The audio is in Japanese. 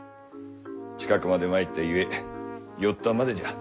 近くまで参ったゆえ寄ったまでじゃ。